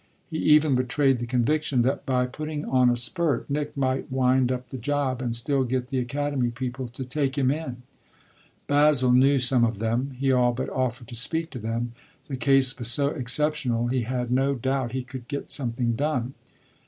He even betrayed the conviction that by putting on a spurt Nick might wind up the job and still get the Academy people to take him in. Basil knew some of them; he all but offered to speak to them the case was so exceptional; he had no doubt he could get something done.